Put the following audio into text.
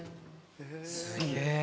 すげえ。